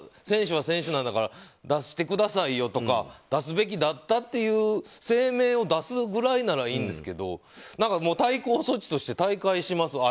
選手は選手なんだから出してくださいよとか出すべきだったっていう声明を出すぐらいならいいんですけど対抗措置として大会します